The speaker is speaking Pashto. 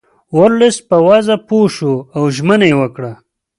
ورلسټ په وضع پوه شو او ژمنه یې وکړه.